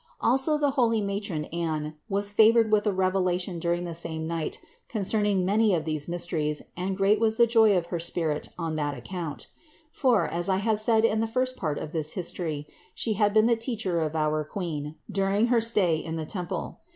Also the holy matron Anne was favored with a revelation during the same night concerning many of these mysteries and great was the joy of her spirit on that account; for, as I have said in the first part of this history, she had been the teacher of our Queen, during her stay in the temple.